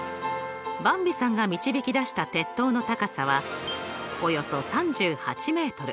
ばんびさんが導き出した鉄塔の高さはおよそ３８ｍ。